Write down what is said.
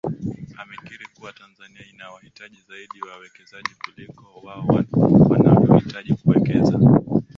Amekiri kuwa Tanzania inawahitaji zaidi wawekezaji kuliko wao wanavyohitaji kuwekaza